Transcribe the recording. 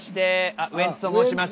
あウエンツと申します。